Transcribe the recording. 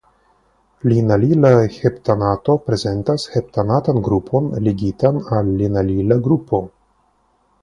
Linalila heptanato prezentas heptanatan grupon ligitan al linalila grupo.